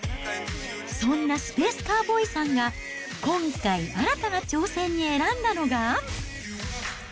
そんなスペース・カウボーイさんが今回、新たな挑戦に選んだのが。